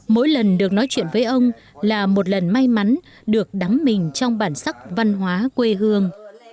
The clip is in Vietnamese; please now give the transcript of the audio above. mỗi lần được nói chuyện với ông là một lần may mắn được đắm mình trong bản sắc văn hóa quê hương